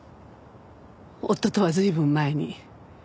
夫とは随分前に。